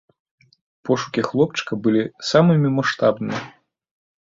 Пошукі хлопчыка былі самымі маштабнымі.